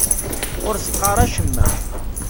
Ur as-qqar acemma.